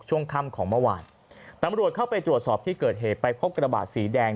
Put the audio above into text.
ช่วงค่ำของเมื่อวานตำรวจเข้าไปตรวจสอบที่เกิดเหตุไปพบกระบาดสีแดง